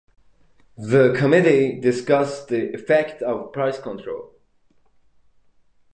The Committee Discussed the Effect of Price Control.